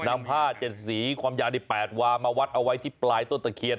นำผ้า๗สีความยาวใน๘วามาวัดเอาไว้ที่ปลายต้นตะเคียน